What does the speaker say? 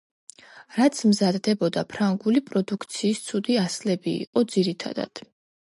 რაც მზადდებოდა ფრანგული პროდუქციის ცუდი ასლები იყო ძირითადად.